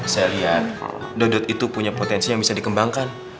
saya lihat dodot itu punya potensi yang bisa dikembangkan